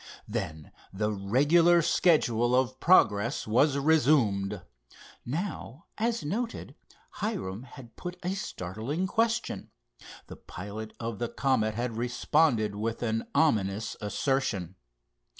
Then the regular schedule of progress was resumed. Now, as noted, Hiram had put a startling question. The pilot of the Comet had responded with an ominous assertion.